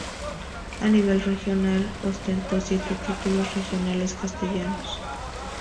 A nivel regional, ostentó siete títulos regionales castellanos.